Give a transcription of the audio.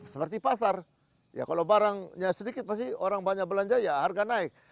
seperti pasar ya kalau barangnya sedikit pasti orang banyak belanja ya harga naik